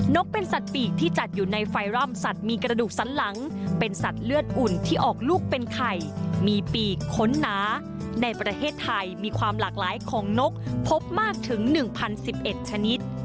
กเป็นสัตว์ปีกที่จัดอยู่ในไฟร่อนสัตว์มีกระดูกสันหลังเป็นสัตว์เลือดอุ่นที่ออกลูกเป็นไข่มีปีกค้นหนาในประเทศไทยมีความหลากหลายของนกพบมากถึง๑๐๑๑ชนิด